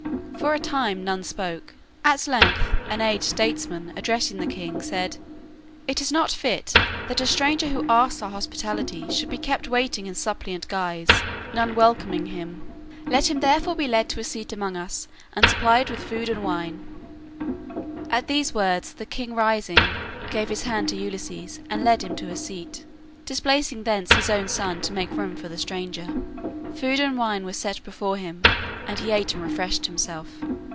For a time none spoke. At last an aged statesman, addressing the king, said, "It is not fit that a stranger who asks our hospitality should be kept waiting in suppliant guise, none welcoming him. Let him therefore be led to a seat among us and supplied with food and wine." At these words the king rising gave his hand to Ulysses and led him to a seat, displacing thence his own son to make room for the stranger. Food and wine were set before him and he ate and refreshed himself.